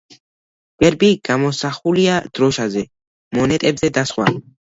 გერბი გამოსახულია დროშაზე, მონეტებზე და სხვა.